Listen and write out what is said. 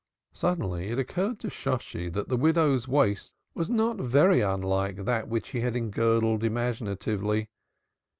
Suddenly it occurred to Shosshi that the widow's waist was not very unlike that which he had engirdled imaginatively.